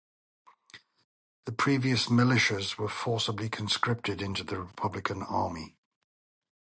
The previous militias were forcefully conscripted into the Republican army.